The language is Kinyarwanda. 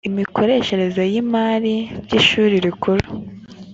imikoreshereze y imari by ishuri rikuru